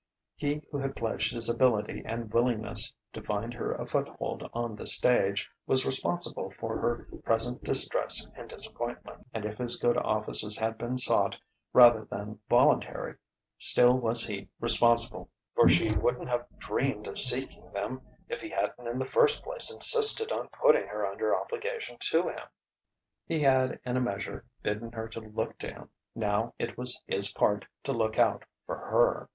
He who had pledged his ability and willingness to find her a foothold on the stage, was responsible for her present distress and disappointment. And if his good offices had been sought rather than voluntary, still was he responsible; for she wouldn't have dreamed of seeking them if he hadn't in the first place insisted on putting her under obligation to him. He had in a measure bidden her to look to him; now it was his part to look out for her.